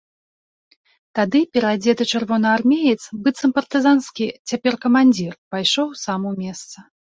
Тады пераадзеты чырвонаармеец, быццам партызанскі цяпер камандзір, пайшоў сам у места.